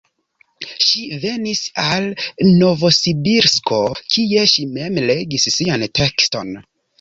Ŝi venis al Novosibirsko, kie ŝi mem legis sian tekston.